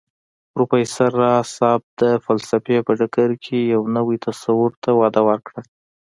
پروفېسر راز صيب د فلسفې په ډګر کې يو نوي تصور ته وده ورکړه